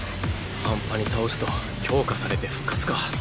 半端に倒すと強化されて復活か。